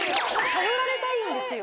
頼られたいんですよ。